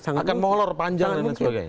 akan molor panjang dan lain sebagainya